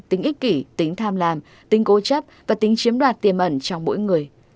tính ích kỷ tính tham làm tính cố chấp và tính chiếm đoạt tiềm ẩn trong mỗi người